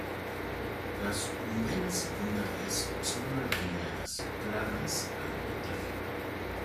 Las umbelas secundarias son redondeadas, planas al madurar.